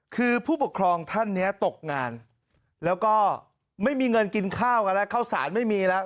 คือผู้ปกครองท่านนี้ตกงานแล้วก็ไม่มีเงินกินข้าวกันแล้วข้าวสารไม่มีแล้ว